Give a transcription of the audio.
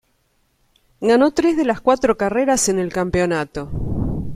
Ganó tres de las cuatro carreras en el campeonato.